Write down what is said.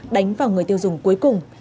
đánh vào người tiêu dùng cuối cùng